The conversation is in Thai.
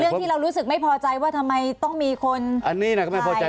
ที่เรารู้สึกไม่พอใจว่าทำไมต้องมีคนอันนี้น่ะก็ไม่พอใจ